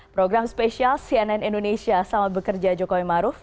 program spesial cnn indonesia sama bekerja jokowi maruf